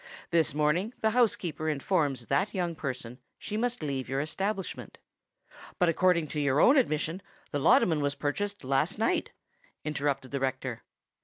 "This morning the housekeeper informs that young person she must leave your establishment——" "But, according to your own admission, the laudanum was purchased last night," interrupted the rector.